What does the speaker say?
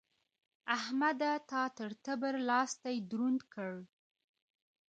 احمده! تا تر تبر؛ لاستی دروند کړ.